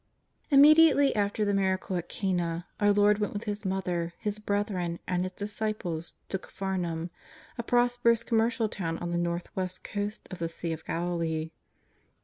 Immediately after the miracle at Cana, our Lord went with His Mother, His brethren, and His disciples to Capharnaum, a prosperous commercial town on the north west coast of the Sea of Galilee.